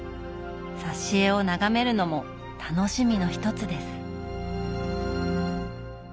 挿絵を眺めるのも楽しみの一つです。